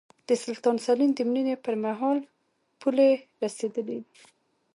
د سلطان سلین د مړینې پرمهال پولې رسېدلې وې.